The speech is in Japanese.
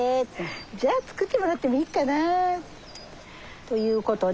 じゃあ作ってもらってもいいかな。という事で。